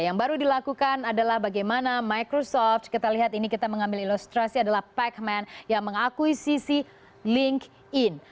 yang baru dilakukan adalah bagaimana microsoft kita lihat ini kita mengambil ilustrasi adalah pacman yang mengakuisisi linkedin